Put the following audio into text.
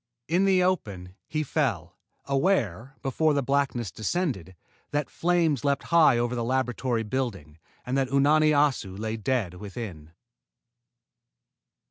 In the open, he fell, aware, before blackness descended, that flames leaped high over the laboratory building and that Unani Assu lay dead within.